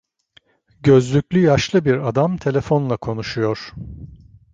Gözlüklü yaşlı bir adam telefonla konuşuyor.